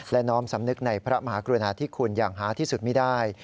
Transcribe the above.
และน้อมสำนึกในพระมหากรุณาธิคุณอย่างหาที่สุดไม่ได้